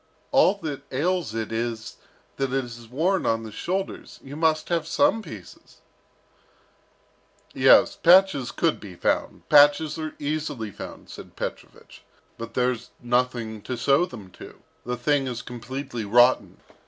"All that ails it is, that it is worn on the shoulders. You must have some pieces " "Yes, patches could be found, patches are easily found," said Petrovich, "but there's nothing to sew them to. The thing is completely rotten.